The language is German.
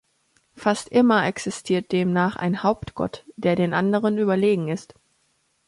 Fast immer existiert demnach ein Hauptgott, der den anderen überlegen ist.